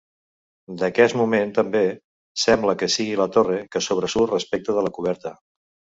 D'aquest moment també, sembla, que sigui la torre que sobresurt respecte de la coberta.